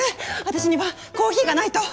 私にはコーヒーがないと。